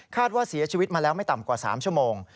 ว่าเสียชีวิตมาแล้วไม่ต่ำกว่า๓ชั่วโมง